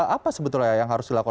apa sebetulnya yang harus dilakukan